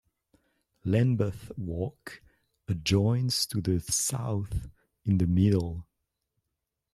Lambeth Walk adjoins to the south in the middle.